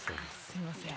すいません。